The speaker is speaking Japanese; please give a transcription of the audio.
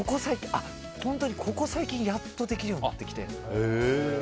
本当にここ最近やっとできるようになってきて。